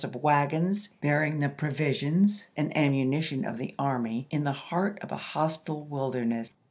of wagous, bearing the provisions and ammunition p. '352.' of the army in the heart of a hostile wilderness.